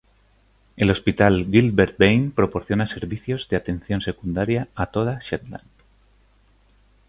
El Hospital Gilbert Bain proporciona servicios de atención secundaria a toda Shetland.